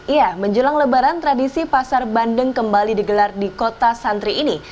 iya menjelang lebaran tradisi pasar bandeng kembali digelar di kota santri ini